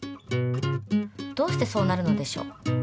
どうしてそうなるのでしょう？